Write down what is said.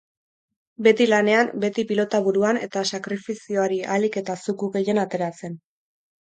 Beti lanean, beti pilota buruan eta sakrifizioari ahalik eta zuku gehien ateratzen.